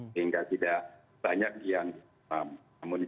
sehingga tidak banyak yang memenuhi